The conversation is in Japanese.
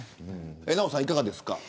ナヲさん、いかがですか。